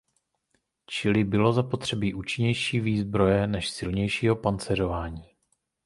Čili bylo zapotřebí účinnější výzbroje než silnějšího pancéřování.